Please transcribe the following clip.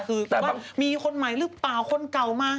คือแบบว่ามีคนใหม่หรือเปล่าคนเก่ามา